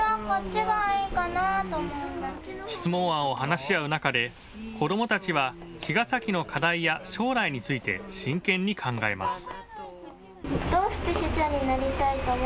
質問案を話し合う中で子どもたちは茅ヶ崎の課題や将来について真剣に考えます。